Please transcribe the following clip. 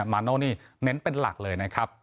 มาโน่นี่เน้นเป็นหลักเลย